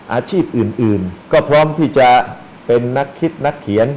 อาชีพอื่นก็พร้อมที่จะเป็นนักคิดนักเขียน